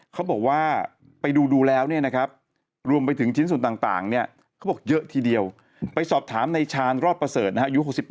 เขาบอกว่าไปดูแล้วเนี่ยนะครับรวมไปถึงชิ้นส่วนต่างเนี่ยเขาบอกเยอะทีเดียวไปสอบถามในชาญรอดประเสริฐนะฮะอายุ๖๘